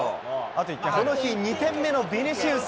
この日、２点目のビニシウス。